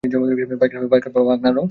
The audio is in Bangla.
পাখনার রং হালকা হলদেটে।